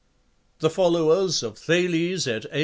The followers of Thales et al.